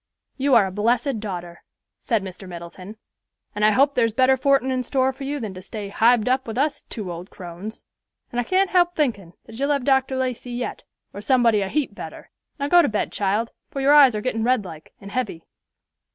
"You are a blessed daughter," said Mr. Middleton, "and I hope there's better fortin in store for you than to stay hived up with us two old crones; and I can't help thinkin' that you'll have Dr. Lacey yet, or somebody a heap better. Now go to bed, child, for your eyes are gettin' red like, and heavy."